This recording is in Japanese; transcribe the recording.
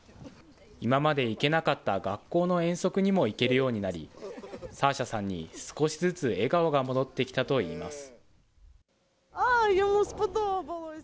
今まで行けなかった学校の遠足にも行けるようになり、サーシャさんに少しずつ笑顔が戻ってきたといいます。